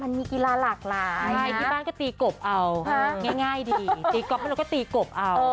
มันมีกีฬาหลากหลายที่บ้านก็ตีกบเอาง่ายดีตีก๊อบแล้วเราก็ตีกบเอา